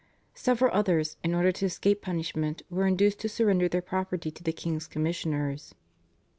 Several others in order to escape punishment were induced to surrender their property to the king's commissioners.